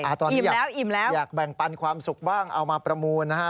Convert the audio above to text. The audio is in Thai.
อ่าตอนนี้อยากแบ่งปันความสุขบ้างเอามาประมูลนะฮะ